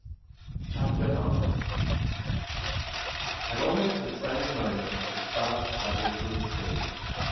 CHAPTER XIX At almost the same moment Gaspard stumbled to his feet.